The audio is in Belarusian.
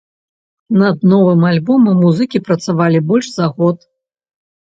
Над новым альбомам музыкі працавалі больш за год.